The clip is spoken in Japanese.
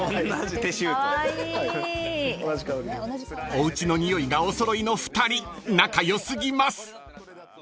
［おうちの匂いがお揃いの２人仲良過ぎます！］